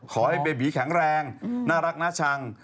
เบบีแข็งแรงน่ารักน่าชัง